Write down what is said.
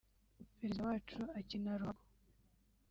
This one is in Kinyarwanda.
Perezida wacu akina ruhago